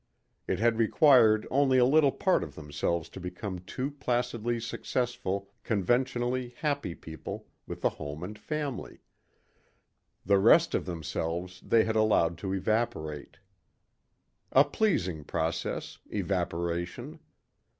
It had required only a little part of themselves to become two placidly successful conventionally happy people with a home and family. The rest of themselves they had allowed to evaporate. A pleasing process evaporation.